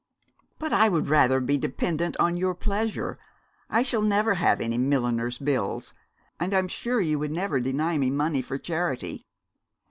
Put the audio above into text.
'But I would rather be dependent on your pleasure. I shall never have any milliner's bills; and I am sure you would never deny me money for charity.'